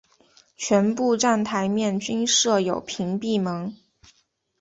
全部站台面均设有屏蔽门。